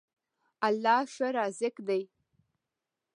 الله ښه رازق دی.